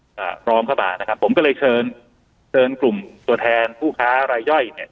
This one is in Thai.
พร้อมเข้ามานะครับผมก็เลยเชิญเชิญกลุ่มตัวแทนผู้ค้ารายย่อยเนี้ย